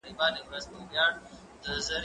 اوبه د زهشوم له خوا پاکې کيږي؟!